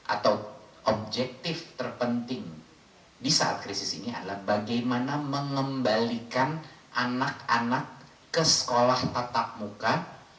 atau objektif terpenting di saat krisis ini adalah bagaimana mengembalikan anak anak ke sekolah tatap muka